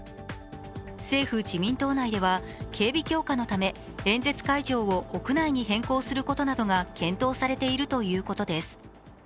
政府・自民党内では警備強化のため演説会場を屋内に変更することなどが検討されているということです。